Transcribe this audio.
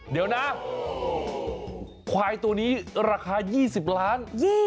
เดี๋ยวนะควายตัวนี้ราคา๒๐ล้าน